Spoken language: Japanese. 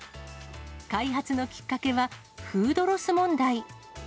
開発のきっかけは、フードロス問題。